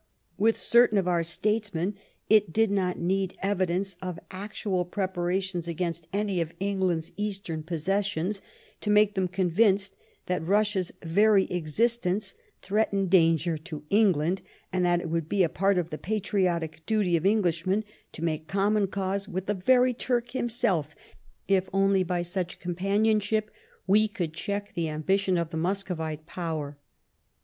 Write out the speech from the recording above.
With certain of our statesmen it did not need evidence of actual preparations against any of England's Eastern possessions to make them convinced that Russia's very existence threatened dan 36 WHAT THE QUEEN CAME TO— ABROAD ger to England, and that it would be a part of the patri otic duty of Englishmen to make common cause with the very Turk himself, if only by such companionship we could check the ambition of the Muscovite power.